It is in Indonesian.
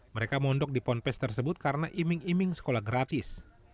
mereka mondok di ponpes tersebut karena iming iming sekolah gratis